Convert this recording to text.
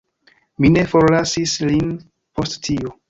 Mi ne forlasis lin post tio.